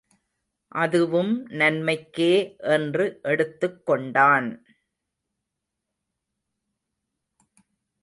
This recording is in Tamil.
அதுவும் நன்மைக்கே என்று எடுத்துக் கொண்டான்.